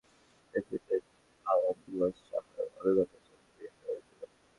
ঘাঁটিটি ইয়েমেনের সাবেক প্রেসিডেন্ট আিল আবদুল্লাহ সালেহর অনুগত সেনাদের নিয়ন্ত্রণে ছিল।